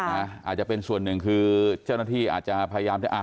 อาจจะเป็นส่วนหนึ่งคือเจ้าหน้าที่อาจจะพยายามที่อ่ะ